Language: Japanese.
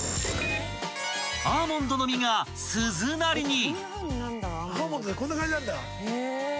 ［アーモンドの実が鈴なりに］